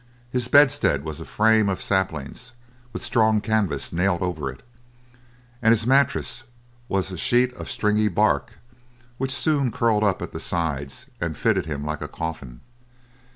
His bedstead was a frame of saplings, with strong canvas nailed over it, and his mattress was a sheet of stringy bark, which soon curled up at the sides and fitted him like a coffin.